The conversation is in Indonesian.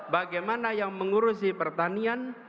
bagaimana yang mengurusi pertanian